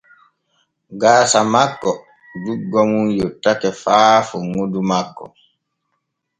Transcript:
Gaasa makko juggo mum yottake haa funŋudu makko.